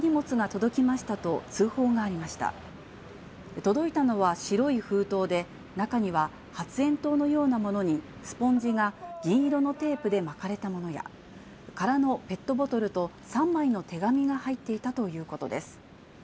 届いたのは白い封筒で、中には発炎筒のようなものにスポンジが銀色のテープで巻かれたものや、空のペットボトルと３枚の手紙が入っていたということです。